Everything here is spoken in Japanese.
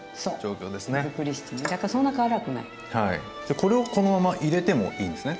これをこのまま入れてもいいんですね。